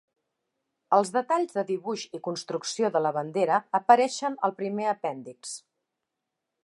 Els detalls de dibuix i construcció de la bandera apareixen al primer apèndix.